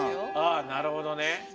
あなるほどね。